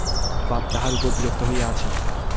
বাপ তাহার উপর বিরক্ত হইয়াই আছেন।